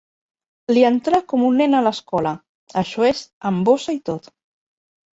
Li entrà com un nen a l'escola, això és, amb bossa i tot.